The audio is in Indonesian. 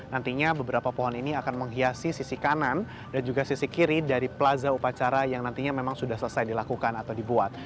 nantinya beberapa pohon ini akan menghiasi sisi kanan dan juga sisi kiri dari plaza upacara yang nantinya memang sudah selesai dilakukan atau dibuat